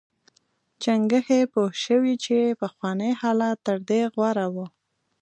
چنګښې پوه شوې چې پخوانی حالت تر دې غوره و.